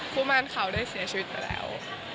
แมนเขาได้เสียชีวิตไปแล้ว